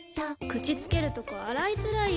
口つけるとこ洗いづらい！